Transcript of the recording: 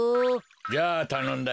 じゃあたのんだよ。